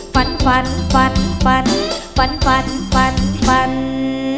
ฝันฝันฝันฝันฝันฝันฝันฝันฝัน